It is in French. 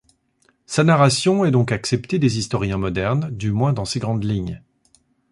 Sa narration est donc acceptée des historiens modernes, du moins dans ses grandes lignes.